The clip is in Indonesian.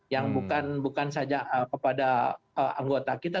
yang bukan saja kepada anggota kita